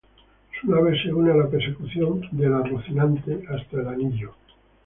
Su nave se une a la persecución de la "Rocinante" hasta el Anillo.